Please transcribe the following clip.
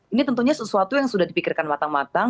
ini tentunya sesuatu yang sudah dipikirkan matang matang